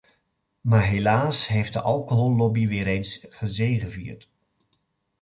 Maar helaas heeft de alcohollobby weer eens gezegevierd.